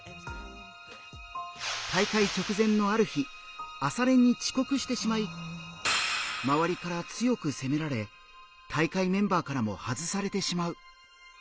大会直前のある日朝練に遅刻してしまいまわりから強く責められ大会メンバーからも外されてしまう。